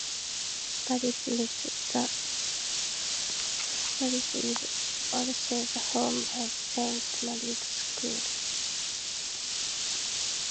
Paris is also the home of Saint Mary's School.